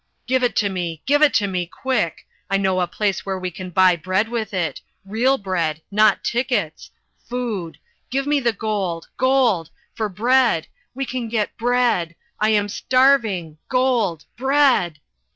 "Give it to me, give it to me, quick. I know a place where we can buy bread with it. Real bread not tickets food give me the gold gold for bread we can get bread. I am starving gold bread."